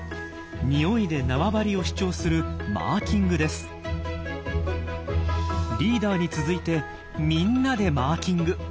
ニオイで縄張りを主張するリーダーに続いてみんなでマーキング。